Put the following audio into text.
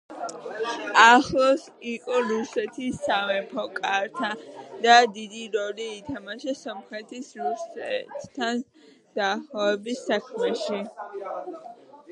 ახლოს იყო რუსეთის სამეფო კართან და დიდი როლი ითამაშა სომხეთის რუსეთთან დაახლოების საქმეში.